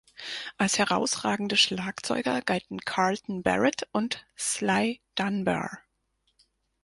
Als herausragende Schlagzeuger gelten Carlton Barrett und Sly Dunbar.